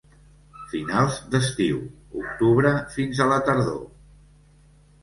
Finals d'estiu, octubre fins a la tardor.